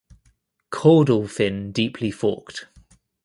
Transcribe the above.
Caudal fin deeply forked.